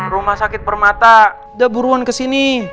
rumah sakit permata dia buruan kesini